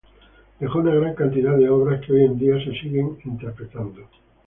Dejó una gran cantidad de obras que hoy en día siguen siendo interpretadas.